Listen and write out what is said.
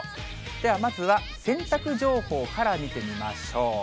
ではまずは、洗濯情報から見てみましょう。